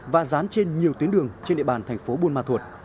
và dán trên nhiều tuyến đường trên địa bàn thành phố buôn ma thuột